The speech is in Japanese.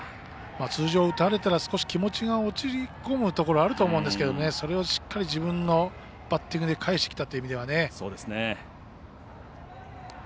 通常、打たれたら気持ちが落ち込むところあると思うんですけどそれを、しっかり自分のバッティングで返してきたというところはね。